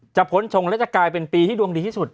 พ้นชงและจะกลายเป็นปีที่ดวงดีที่สุด